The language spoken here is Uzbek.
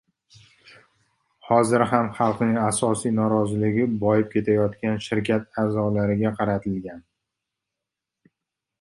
Hozir ham xalqning asosiy noroziligi boyib ketayotgan shirkat a’zolariga qaratilgan.